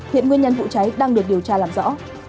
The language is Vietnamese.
hiện nguyên nhân vụ cháy đang được điều tra làm rõ